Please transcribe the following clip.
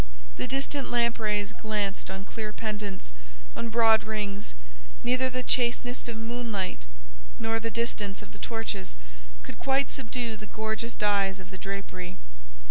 The distant lamp rays glanced on clear pendants, on broad rings; neither the chasteness of moonlight, nor the distance of the torches, could quite subdue the gorgeous dyes of the drapery.